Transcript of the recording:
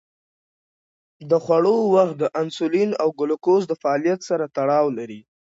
د خوړو وخت د انسولین او ګلوکوز د فعالیت سره تړاو لري.